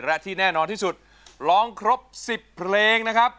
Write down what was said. และที่แน่นอนที่สุดร้องครบ๑๐เพลงนะครับ